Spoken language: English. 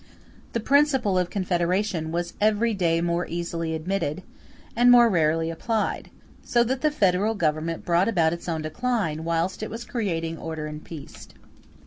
The principle of confederation was every day more easily admitted, and more rarely applied; so that the Federal Government brought about its own decline, whilst it was creating order and peace.